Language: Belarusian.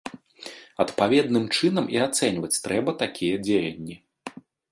Адпаведным чынам і ацэньваць трэба такія дзеянні.